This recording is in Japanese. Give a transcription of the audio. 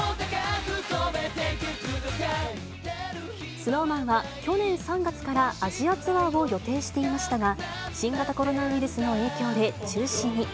ＳｎｏｗＭａｎは去年３月からアジアツアーを予定していましたが、新型コロナウイルスの影響で中止に。